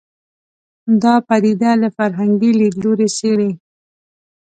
دا پدیده له فرهنګي لید لوري څېړي